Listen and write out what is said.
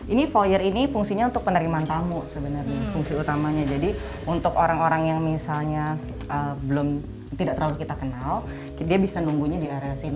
ini foyer ini fungsinya untuk penerimaan tamu sebenarnya fungsi utamanya jadi untuk orang orang yang misalnya tidak terlalu kita kenal dia bisa nunggunya di arah sini